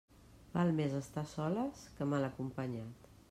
Val més estar a soles que mal acompanyat.